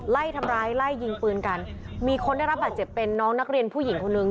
ไล่ทำร้ายไล่ยิงปืนกันมีคนได้รับบาดเจ็บเป็นน้องนักเรียนผู้หญิงคนนึง